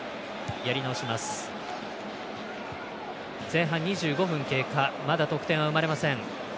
前半２５分経過まだ得点は生まれません。